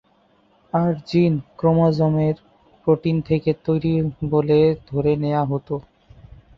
আর gene, ক্রোমোজোমের protein থেকে তৈরি বলে ধরে নেয়া হত।